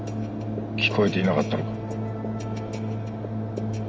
聞こえていなかったのか。